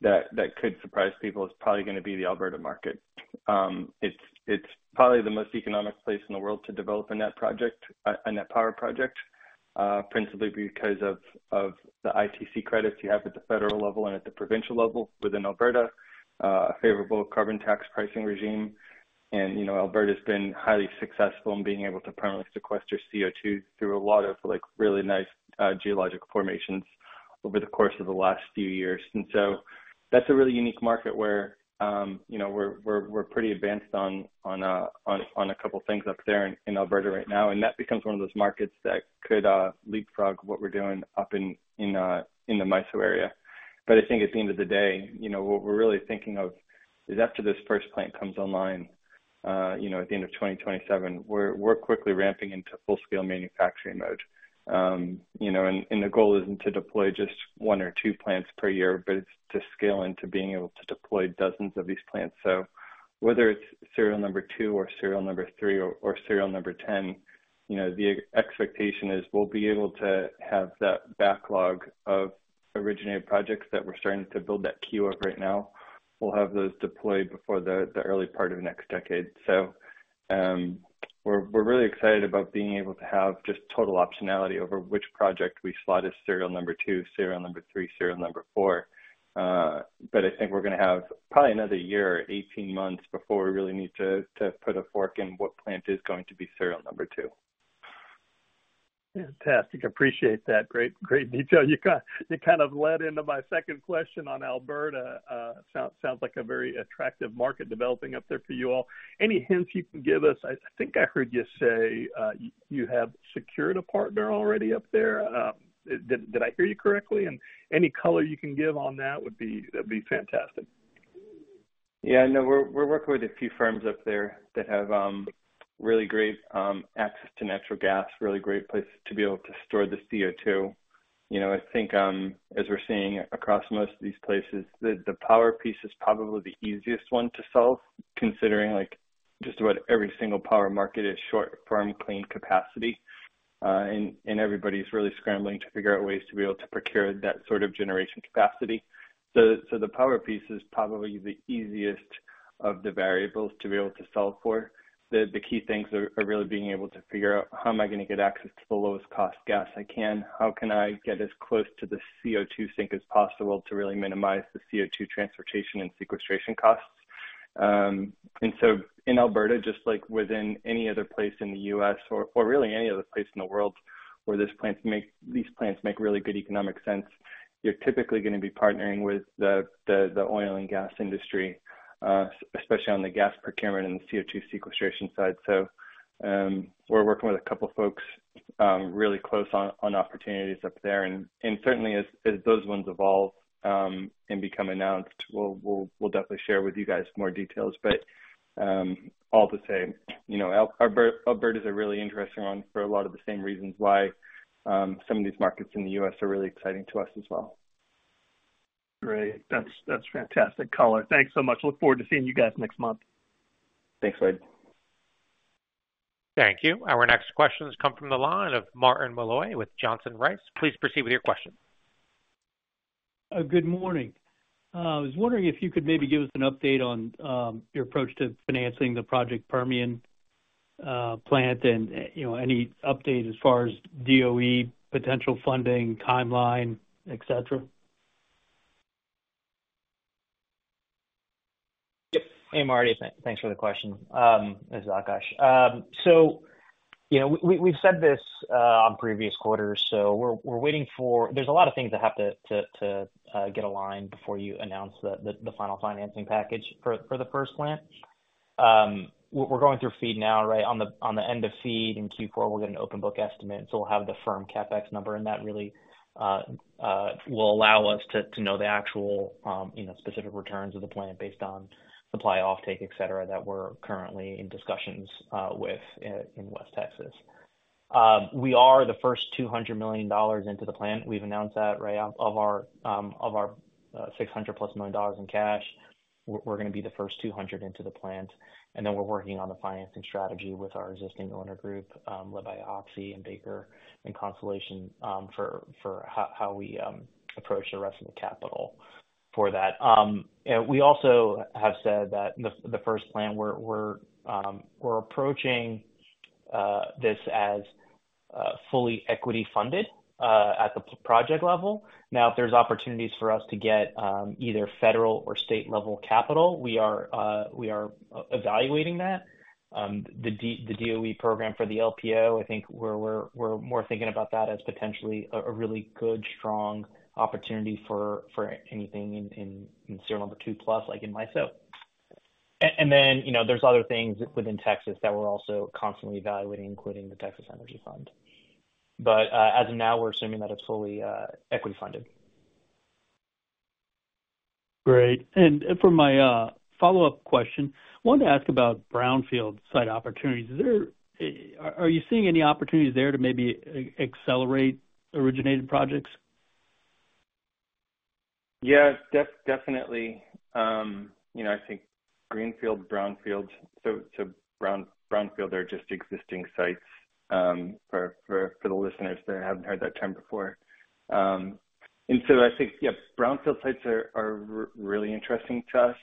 that could surprise people is probably gonna be the Alberta market. It's probably the most economic place in the world to develop a NET project, a NET Power project, principally because of the ITC credits you have at the federal level and at the provincial level within Alberta, a favorable carbon tax pricing regime. And, you know, Alberta's been highly successful in being able to permanently sequester CO2 through a lot of, like, really nice geological formations over the course of the last few years. And so that's a really unique market where, you know, we're pretty advanced on a couple of things up there in Alberta right now, and that becomes one of those markets that could leapfrog what we're doing up in the MISO area. But I think at the end of the day, you know, what we're really thinking of is after this first plant comes online, you know, at the end of 2027, we're quickly ramping into full scale manufacturing mode. You know, and the goal isn't to deploy just 1 or 2 plants per year, but it's to scale into being able to deploy dozens of these plants. So whether it's serial number 2 or serial number 3 or serial number 10, you know, the expectation is we'll be able to have that backlog of originated projects that we're starting to build that queue up right now. We'll have those deployed before the early part of next decade. So, we're really excited about being able to have just total optionality over which project we slotted serial number 2, serial number 3, serial number 4. But I think we're going to have probably another year, 18 months before we really need to put a fork in what plant is going to be serial number 2. Fantastic. I appreciate that. Great, great detail. You kind of led into my second question on Alberta. Sounds like a very attractive market developing up there for you all. Any hints you can give us? I think I heard you say you have secured a partner already up there. Did I hear you correctly? And any color you can give on that would be, that'd be fantastic. Yeah, no, we're working with a few firms up there that have really great access to natural gas, really great place to be able to store the CO2. You know, I think as we're seeing across most of these places, the power piece is probably the easiest one to solve, considering, like, just about every single power market is short firm clean capacity, and everybody's really scrambling to figure out ways to be able to procure that sort of generation capacity. So the power piece is probably the easiest of the variables to be able to solve for. The key things are really being able to figure out how am I going to get access to the lowest cost gas I can? How can I get as close to the CO2 sink as possible to really minimize the CO2 transportation and sequestration costs? And so in Alberta, just like within any other place in the U.S. or really any other place in the world where this plants make—these plants make really good economic sense, you're typically going to be partnering with the oil and gas industry, especially on the gas procurement and the CO2 sequestration side. So, we're working with a couple of folks really close on opportunities up there. And certainly as those ones evolve and become announced, we'll definitely share with you guys more details. But, all the same, you know, Alberta is a really interesting one for a lot of the same reasons why some of these markets in the U.S. are really exciting to us as well. Great. That's, that's fantastic color. Thanks so much. Look forward to seeing you guys next month. Thanks, Wade. Thank you. Our next question has come from the line of Martin Malloy with Johnson Rice. Please proceed with your question. Good morning. I was wondering if you could maybe give us an update on your approach to financing the Project Permian plant and, you know, any update as far as DOE potential funding, timeline, et cetera? Yep. Hey, Marty. Thanks for the question. This is Akash. So, you know, we've said this on previous quarters, so we're waiting for... There's a lot of things that have to get aligned before you announce the final financing package for the first plant. We're going through FEED now, right on the end of FEED in Q4, we'll get an open book estimate. So we'll have the firm CapEx number, and that really will allow us to know the actual, you know, specific returns of the plant based on supply, offtake, et cetera, that we're currently in discussions with in West Texas. We are the first $200 million into the plant. We've announced that, right, of our $600+ million in cash, we're going to be the first $200 into the plant. And then we're working on the financing strategy with our existing owner group, led by Oxy and Baker and Constellation, for how we approach the rest of the capital for that. We also have said that the first plant we're approaching this as fully equity funded at the project level. Now, if there's opportunities for us to get either federal or state level capital, we are evaluating that. The DOE program for the LPO, I think we're more thinking about that as potentially a really good, strong opportunity for anything in serial number two plus, like in MISO. And then, you know, there's other things within Texas that we're also constantly evaluating, including the Texas Energy Fund. But as of now, we're assuming that it's fully equity funded. Great. And for my follow-up question, I wanted to ask about brownfield site opportunities. Are you seeing any opportunities there to maybe accelerate originated projects? Yeah, definitely. You know, I think greenfield, brownfield. So brownfield are just existing sites for the listeners that haven't heard that term before. And so I think, yeah, brownfield sites are really interesting to us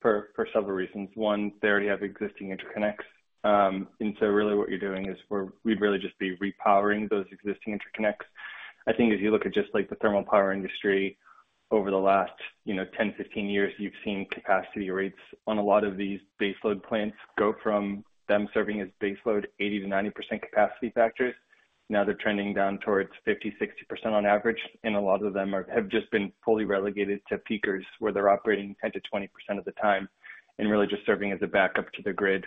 for several reasons. One, they already have existing interconnects. And so really what you're doing is we'd really just be repowering those existing interconnects. I think if you look at just, like, the thermal power industry over the last, you know, 10, 15 years, you've seen capacity rates on a lot of these baseload plants go from them serving as baseload, 80%-90% capacity factors. Now they're trending down towards 50%, 60% on average, and a lot of them are, have just been fully relegated to peakers, where they're operating 10%-20% of the time and really just serving as a backup to the grid,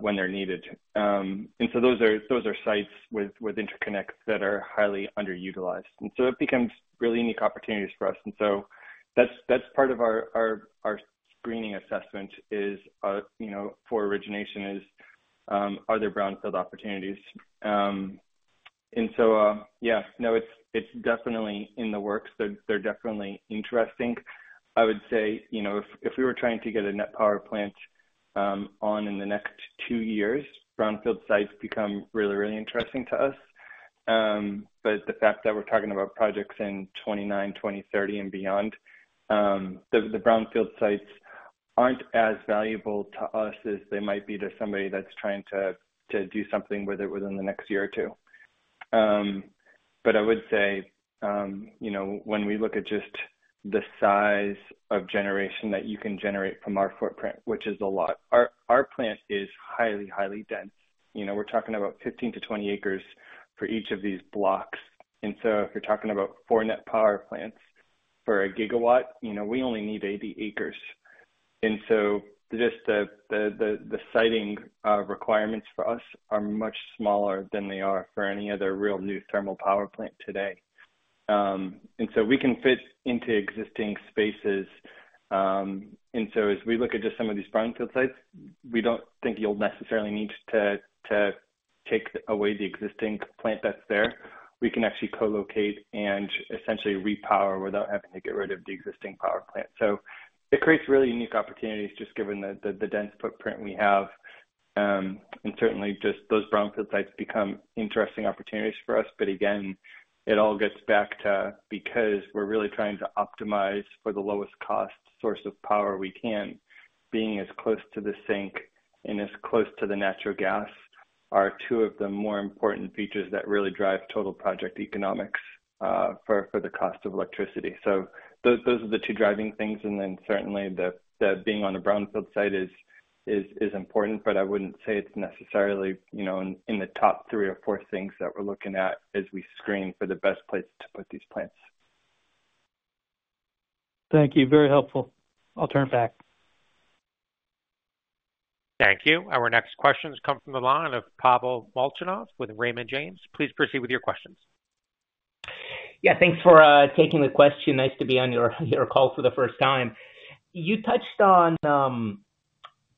when they're needed. And so those are sites with interconnects that are highly underutilized, and so it becomes really unique opportunities for us. And so that's part of our screening assessment is, you know, for origination is, are there brownfield opportunities? And so, yeah, no, it's definitely in the works. They're definitely interesting. I would say, you know, if we were trying to get a NET Power plant on in the next two years, brownfield sites become really, really interesting to us. But the fact that we're talking about projects in 2029, 2030 and beyond, the brownfield sites aren't as valuable to us as they might be to somebody that's trying to do something with it within the next year or two. But I would say, you know, when we look at just the size of generation that you can generate from our footprint, which is a lot, our plant is highly, highly dense. You know, we're talking about 15-20 acres for each of these blocks. And so if you're talking about 4 NET Power plants for 1 GW, you know, we only need 80 acres. And so just the siting requirements for us are much smaller than they are for any other real new thermal power plant today. And so we can fit into existing spaces. And so as we look at just some of these brownfield sites, we don't think you'll necessarily need to take away the existing plant that's there. We can actually co-locate and essentially repower without having to get rid of the existing power plant. So it creates really unique opportunities, just given the dense footprint we have. And certainly just those brownfield sites become interesting opportunities for us. But again, it all gets back to because we're really trying to optimize for the lowest cost source of power we can. Being as close to the sink and as close to the natural gas are two of the more important features that really drive total project economics for the cost of electricity. So those are the two driving things, and then certainly the being on a brownfield site is important, but I wouldn't say it's necessarily, you know, in the top three or four things that we're looking at as we screen for the best places to put these plants. Thank you. Very helpful. I'll turn it back. Thank you. Our next question has come from the line of Pavel Molchanov with Raymond James. Please proceed with your questions. Yeah, thanks for taking the question. Nice to be on your call for the first time. You touched on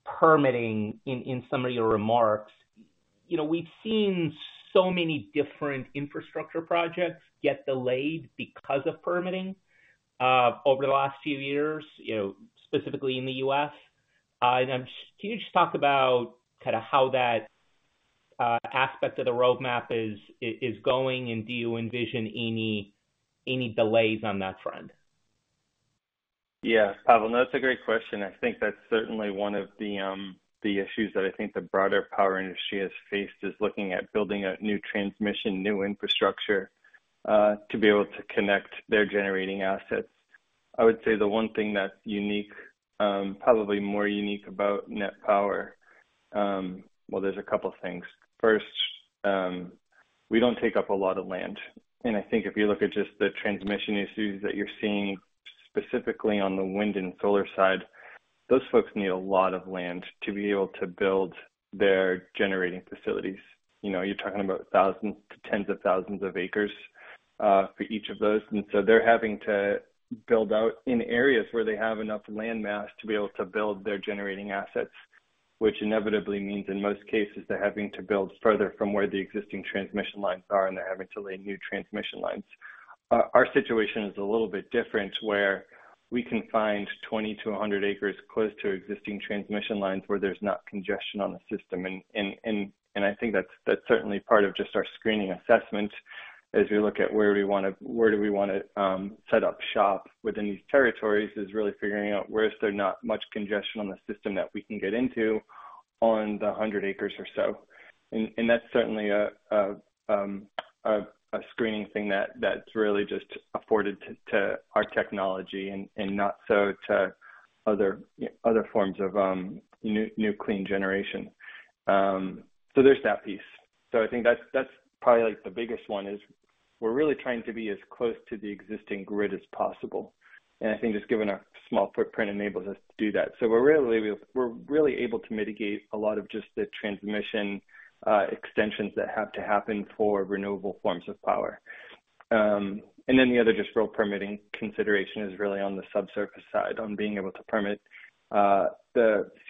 permitting in some of your remarks. You know, we've seen so many different infrastructure projects get delayed because of permitting over the last few years, you know, specifically in the U.S. And can you just talk about kinda how that aspect of the roadmap is going, and do you envision any delays on that front? Yeah, Pavel, that's a great question. I think that's certainly one of the issues that I think the broader power industry has faced, is looking at building a new transmission, new infrastructure, to be able to connect their generating assets. I would say the one thing that's unique, probably more unique about NET Power... Well, there's a couple things. First, we don't take up a lot of land, and I think if you look at just the transmission issues that you're seeing, specifically on the wind and solar side, those folks need a lot of land to be able to build their generating facilities. You know, you're talking about thousands to tens of thousands of acres for each of those. So they're having to build out in areas where they have enough land mass to be able to build their generating assets, which inevitably means, in most cases, they're having to build further from where the existing transmission lines are, and they're having to lay new transmission lines. Our situation is a little bit different, where we can find 20-100 acres close to existing transmission lines where there's not congestion on the system. I think that's certainly part of just our screening assessment as we look at where we wanna—where do we wanna set up shop within these territories, is really figuring out where is there not much congestion on the system that we can get into on the 100 acres or so. That's certainly a screening thing that's really just afforded to our technology and not so to other forms of clean generation. So there's that piece. So I think that's probably, like, the biggest one, is we're really trying to be as close to the existing grid as possible, and I think just given our small footprint enables us to do that. So we're really, we're really able to mitigate a lot of just the transmission extensions that have to happen for renewable forms of power. And then the other just real permitting consideration is really on the subsurface side, on being able to permit the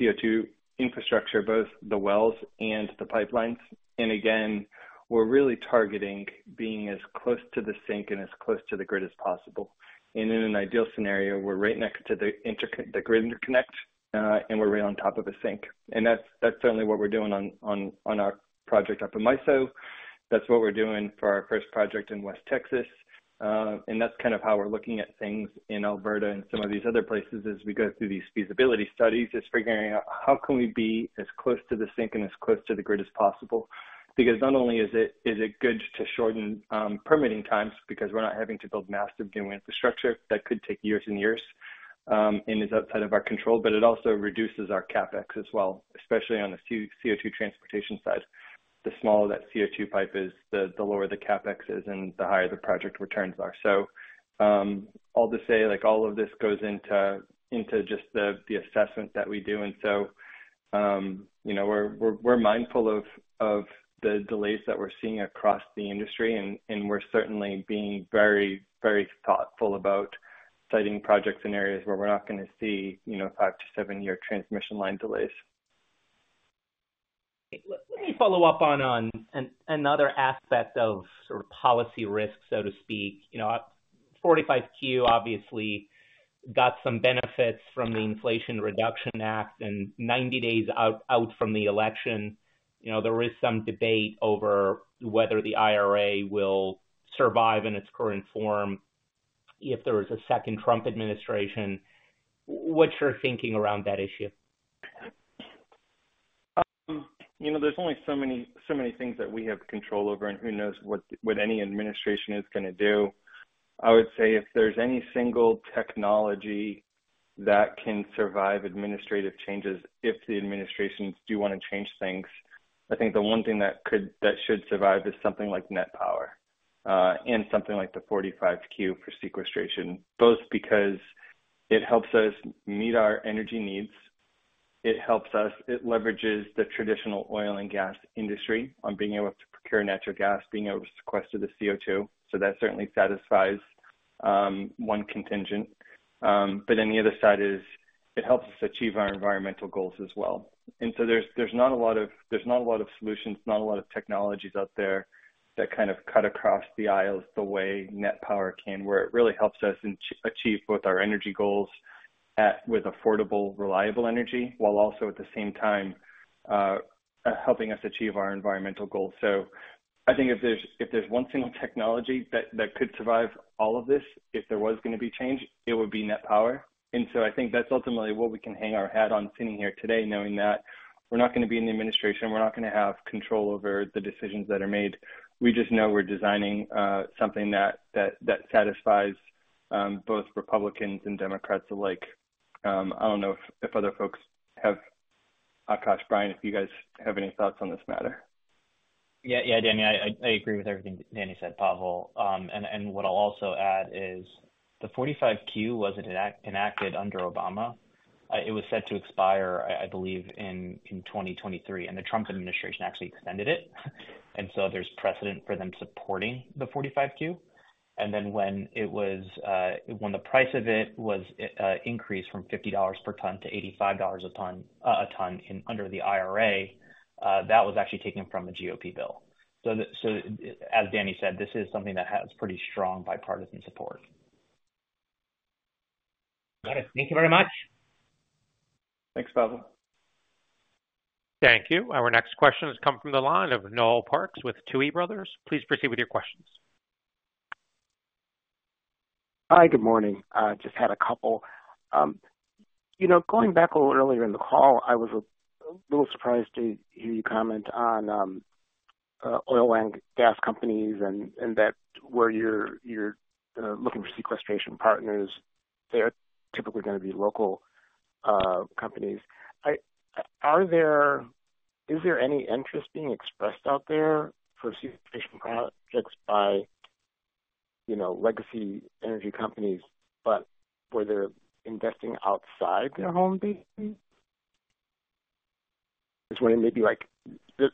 CO2 infrastructure, both the wells and the pipelines. And again, we're really targeting being as close to the sink and as close to the grid as possible. In an ideal scenario, we're right next to the interconnect, the grid interconnect, and we're right on top of the sink. That's certainly what we're doing on our project up in MISO. That's what we're doing for our first project in West Texas. And that's kind of how we're looking at things in Alberta and some of these other places as we go through these feasibility studies, just figuring out how can we be as close to the sink and as close to the grid as possible. Because not only is it good to shorten permitting times, because we're not having to build massive new infrastructure that could take years and years and is outside of our control, but it also reduces our CapEx as well, especially on the CO2 transportation side. The smaller that CO2 pipe is, the lower the CapEx is and the higher the project returns are. So, all to say, like, all of this goes into just the assessment that we do. And so, you know, we're mindful of the delays that we're seeing across the industry, and we're certainly being very, very thoughtful about siting projects in areas where we're not gonna see, you know, 5-7-year transmission line delays. Let me follow up on another aspect of sort of policy risk, so to speak. You know, 45Q obviously got some benefits from the Inflation Reduction Act and 90 days out from the election, you know, there is some debate over whether the IRA will survive in its current form if there is a second Trump administration. What's your thinking around that issue? You know, there's only so many, so many things that we have control over, and who knows what any administration is gonna do. I would say if there's any single technology that can survive administrative changes, if the administrations do wanna change things, I think the one thing that could... that should survive is something like NET Power, and something like the 45Q for sequestration. Both because it helps us meet our energy needs, it helps us, it leverages the traditional oil and gas industry on being able to procure natural gas, being able to sequester the CO2. So that certainly satisfies one contingent. But then the other side is it helps us achieve our environmental goals as well. And so there's not a lot of solutions, not a lot of technologies out there that kind of cut across the aisles the way NET Power can, where it really helps us achieve both our energy goals at, with affordable, reliable energy, while also at the same time helping us achieve our environmental goals. So I think if there's one single technology that could survive all of this, if there was gonna be change, it would be NET Power. And so I think that's ultimately what we can hang our hat on, sitting here today, knowing that we're not gonna be in the administration, we're not gonna have control over the decisions that are made. We just know we're designing something that satisfies both Republicans and Democrats alike. I don't know if other folks have... Akash, Brian, if you guys have any thoughts on this matter. Yeah. Yeah, Danny, I agree with everything Danny said, Pavel. And what I'll also add is the 45Q wasn't enacted under Obama. It was set to expire, I believe, in 2023, and the Trump administration actually extended it. And so there's precedent for them supporting the 45Q. And then when it was, when the price of it was increased from $50 per ton to $85 a ton in under the IRA, that was actually taken from the GOP bill. So as Danny said, this is something that has pretty strong bipartisan support. Thank you very much. Thanks, Pavel. Thank you. Our next question has come from the line of Noel Parks with Tuohy Brothers. Please proceed with your questions. Hi, good morning. I just had a couple. You know, going back a little earlier in the call, I was a little surprised to hear you comment on, oil and gas companies and, and that where you're looking for sequestration partners, they're typically gonna be local, companies. Is there any interest being expressed out there for sequestration projects by, you know, legacy energy companies, but where they're investing outside their home base? Just wondering, maybe, like,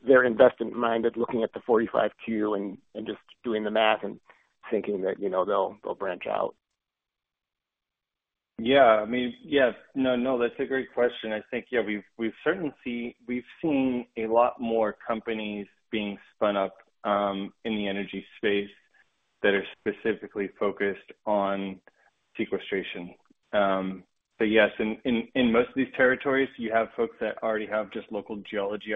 they're investment minded, looking at the 45Q and, and just doing the math and thinking that, you know, they'll branch out. Yeah, I mean, yes. No, no, that's a great question. I think, yeah, we've certainly seen a lot more companies being spun up in the energy space that are specifically focused on sequestration. But yes, in most of these territories, you have folks that already have just local geology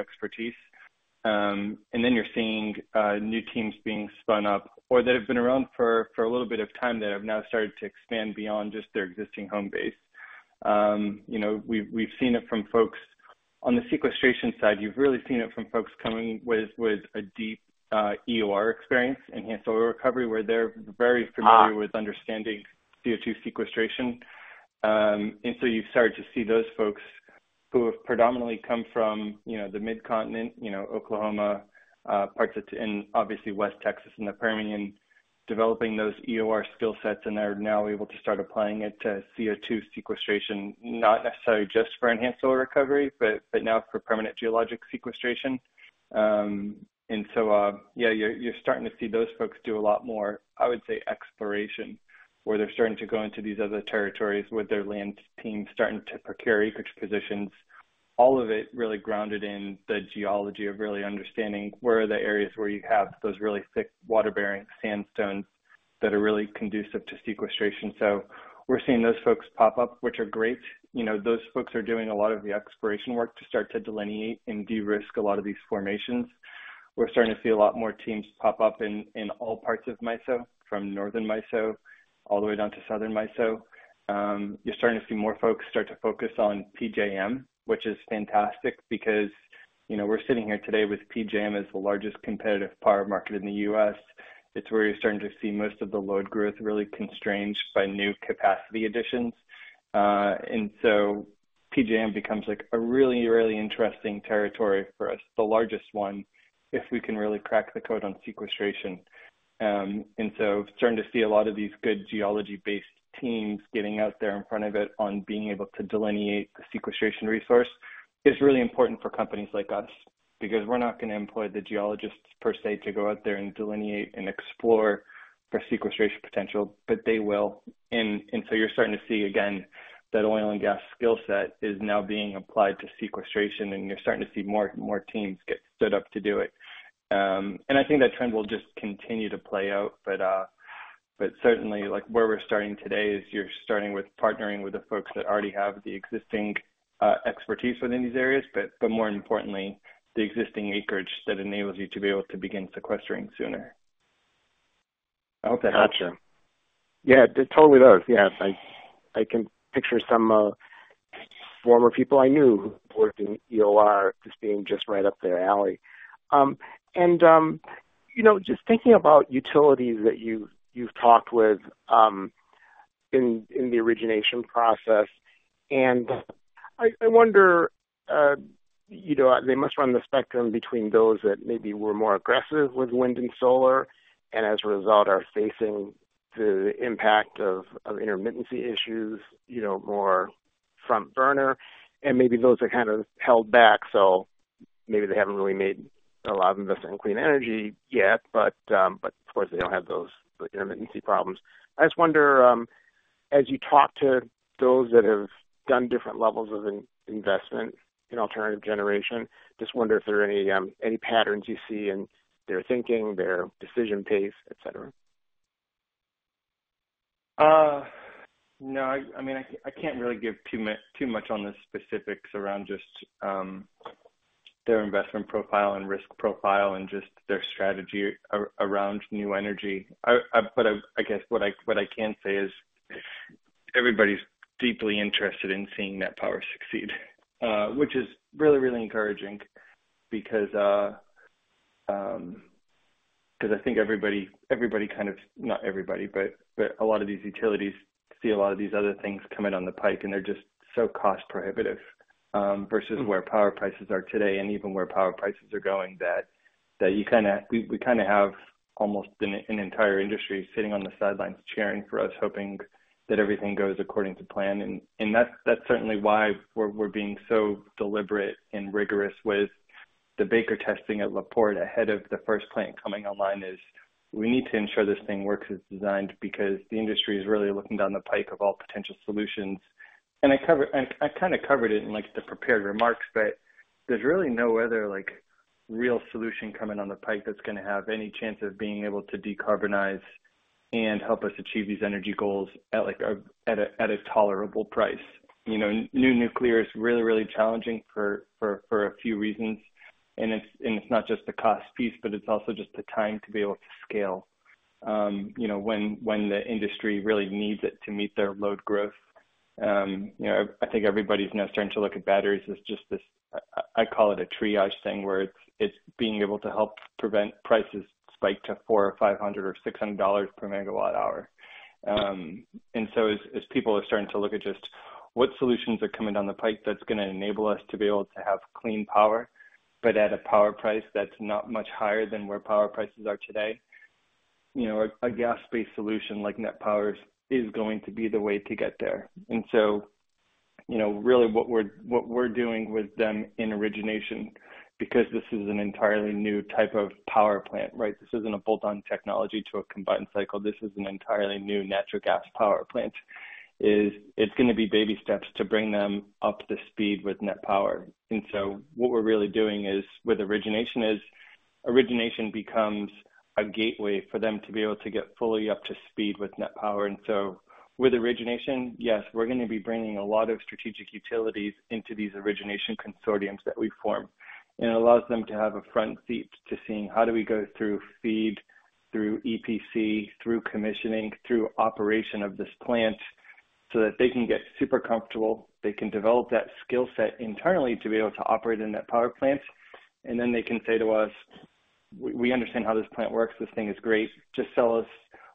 expertise. And then you're seeing new teams being spun up or that have been around for a little bit of time, that have now started to expand beyond just their existing home base. You know, we've seen it from folks on the sequestration side. You've really seen it from folks coming with a deep EOR experience, enhanced oil recovery, where they're very familiar with understanding CO2 sequestration. And so you've started to see those folks who have predominantly come from, you know, the Mid-Continent, you know, Oklahoma, parts of in obviously West Texas and the Permian, developing those EOR skill sets, and they're now able to start applying it to CO2 sequestration. Not necessarily just for enhanced oil recovery, but, but now for permanent geologic sequestration. And so, yeah, you're, you're starting to see those folks do a lot more, I would say, exploration, where they're starting to go into these other territories with their land team, starting to procure acreage positions, all of it really grounded in the geology of really understanding where are the areas where you have those really thick water-bearing sandstones that are really conducive to sequestration. So we're seeing those folks pop up, which are great. You know, those folks are doing a lot of the exploration work to start to delineate and de-risk a lot of these formations. We're starting to see a lot more teams pop up in all parts of MISO, from northern MISO, all the way down to southern MISO. You're starting to see more folks start to focus on PJM, which is fantastic because... You know, we're sitting here today with PJM as the largest competitive power market in the U.S. It's where you're starting to see most of the load growth really constrained by new capacity additions. And so PJM becomes like a really, really interesting territory for us, the largest one, if we can really crack the code on sequestration. And so starting to see a lot of these good geology-based teams getting out there in front of it on being able to delineate the sequestration resource is really important for companies like us, because we're not gonna employ the geologists per se, to go out there and delineate and explore for sequestration potential, but they will. And so you're starting to see, again, that oil and gas skill set is now being applied to sequestration, and you're starting to see more teams get stood up to do it. And I think that trend will just continue to play out. But certainly, like where we're starting today is you're starting with partnering with the folks that already have the existing expertise within these areas, but more importantly, the existing acreage that enables you to be able to begin sequestering sooner. I hope that helps. Got you. Yeah, it totally does. Yes. I can picture some former people I knew who worked in EOR, this being just right up their alley. And you know, just thinking about utilities that you've talked with in the origination process, and I wonder, you know, they must run the spectrum between those that maybe were more aggressive with wind and solar, and as a result, are facing the impact of intermittency issues, you know, more front burner, and maybe those are kind of held back. So maybe they haven't really made a lot of investment in clean energy yet, but of course, they don't have those intermittency problems. I just wonder, as you talk to those that have done different levels of investment in alternative generation, just wonder if there are any, any patterns you see in their thinking, their decision pace, et cetera? No, I mean, I can't really give too much on the specifics around just their investment profile and risk profile and just their strategy around new energy. But I guess what I can say is everybody's deeply interested in seeing NET Power succeed, which is really, really encouraging because I think everybody kind of... Not everybody, but a lot of these utilities see a lot of these other things coming on the pike, and they're just so cost prohibitive versus where power prices are today and even where power prices are going, that we kinda have almost an entire industry sitting on the sidelines cheering for us, hoping that everything goes according to plan. That's certainly why we're being so deliberate and rigorous with the Baker testing at La Porte ahead of the first plant coming online, is we need to ensure this thing works as designed, because the industry is really looking down the pipe of all potential solutions. I kind of covered it in, like, the prepared remarks, but there's really no other, like, real solution coming down the pipe that's gonna have any chance of being able to decarbonize and help us achieve these energy goals at, like, a tolerable price. You know, new nuclear is really, really challenging for a few reasons, and it's not just the cost piece, but it's also just the time to be able to scale, you know, when the industry really needs it to meet their load growth. You know, I think everybody's now starting to look at batteries as just this, I call it a triage thing, where it's being able to help prevent prices spike to $400 or $500 or $600 per MWh. And so as people are starting to look at just what solutions are coming down the pipe, that's gonna enable us to be able to have clean power, but at a power price that's not much higher than where power prices are today. You know, a gas-based solution like NET Power's is going to be the way to get there. And so, you know, really what we're doing with them in origination, because this is an entirely new type of power plant, right? This isn't a bolt-on technology to a combined cycle. This is an entirely new natural gas power plant. It's gonna be baby steps to bring them up to speed with NET Power. And so what we're really doing is, with origination, origination becomes a gateway for them to be able to get fully up to speed with NET Power. And so with origination, yes, we're gonna be bringing a lot of strategic utilities into these origination consortiums that we form. And it allows them to have a front seat to seeing how do we go through FEED, through EPC, through commissioning, through operation of this plant, so that they can get super comfortable. They can develop that skill set internally to be able to operate a NET Power plant, and then they can say to us, "We, we understand how this plant works. This thing is great. Just sell us...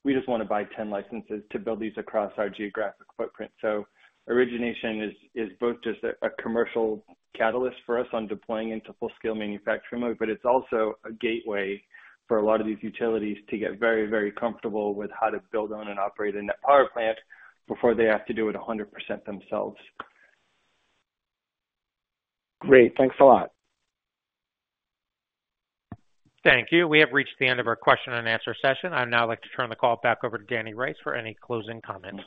We just want to buy 10 licenses to build these across our geographic footprint." So origination is both just a commercial catalyst for us on deploying into full-scale manufacturing mode, but it's also a gateway for a lot of these utilities to get very, very comfortable with how to build on and operate a NET Power plant before they have to do it 100% themselves. Great. Thanks a lot. Thank you. We have reached the end of our question-and-answer session. I'd now like to turn the call back over to Danny Rice for any closing comments.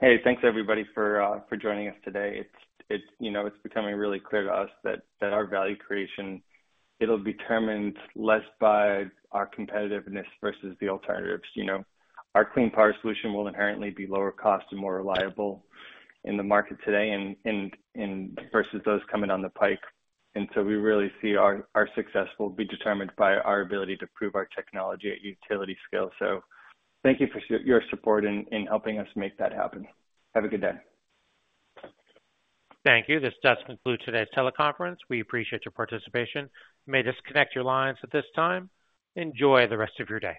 Hey, thanks, everybody, for joining us today. It's, you know, it's becoming really clear to us that our value creation, it'll be determined less by our competitiveness versus the alternatives. You know, our clean power solution will inherently be lower cost and more reliable in the market today and versus those coming on the pike. And so we really see our success will be determined by our ability to prove our technology at utility scale. So thank you for your support in helping us make that happen. Have a good day. Thank you. This does conclude today's teleconference. We appreciate your participation. You may disconnect your lines at this time. Enjoy the rest of your day.